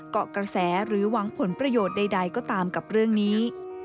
เกาะกระแสหรือหวังผลประโยชน์ใดก็ตามกับเรื่องนี้